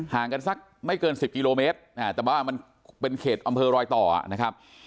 ห่างกันสักไม่เกิน๑๐กิโลเมตรแต่ว่ามันเป็นเขตอำเภอรอยต่อนะครับ